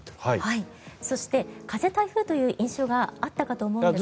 そして、風台風という印象があったかと思うんですが。